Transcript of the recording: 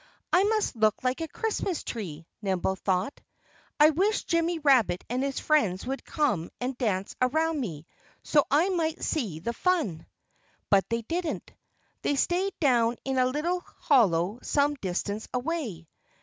"I must look like a Christmas tree," Nimble thought. "I wish Jimmy Rabbit and his friends would come and dance around me so I might see the fun." But they didn't. They stayed down in a little hollow some distance away.